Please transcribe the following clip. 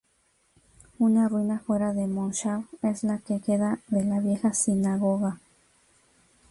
Una ruina fuera del moshav es lo que queda de la vieja sinagoga.